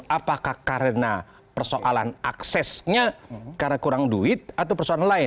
apakah karena persoalan aksesnya karena kurang duit atau persoalan lain